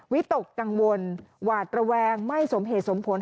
วิตกกังวลหวาดระแวงไม่สมเหตุสมผล